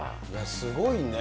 すごいね。